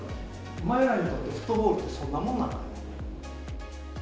お前らにとってフットボールってそんなもんなんかい。